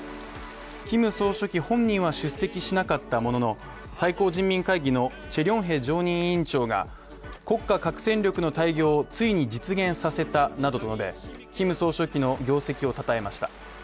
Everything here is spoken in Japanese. キム総書記本人は出席しなかったものの最高人民会議のチェ・リョンヘ常任委員長が国家核戦力の大業をついに実現させたとしてキム総書記の業績を称えました。